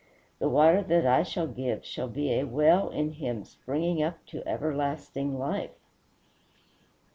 The water that I shall give shall be a well in him springing up to everlasting life."